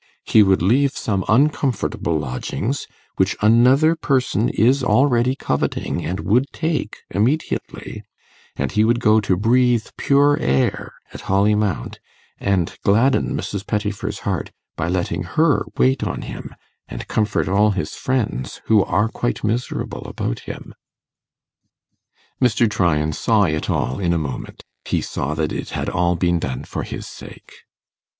He would leave some uncomfortable lodgings, which another person is already coveting and would take immediately; and he would go to breathe pure air at Holly Mount, and gladden Mrs. Pettifer's heart by letting her wait on him; and comfort all his friends, who are quite miserable about him.' Mr. Tryan saw it all in a moment he saw that it had all been done for his sake.